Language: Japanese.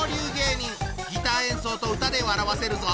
ギター演奏と歌で笑わせるぞ！